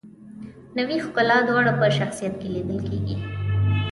نوې ښکلا دواړه په شخصیت کې لیدل کیږي.